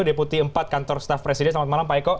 deputi empat kantor staff presiden selamat malam mbak eko